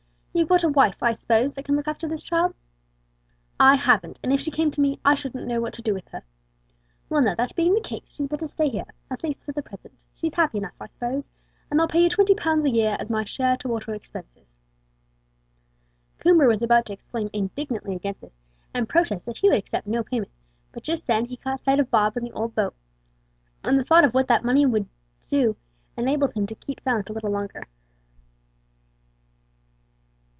You've got a wife, I s'pose, that can look after this child. I haven't; and if she came to me, I shouldn't know what to do with her. Well now, that being the case, she'd better stay here for the present at least; she's happy enough, I s'pose; and I'll pay you twenty pounds a year as my share towards her expenses." Coomber was about to exclaim indignantly against this, and protest that he would accept no payment; but just then he caught sight of Bob and the old boat, and the thought of what that money would enable him to do kept him silent a little longer.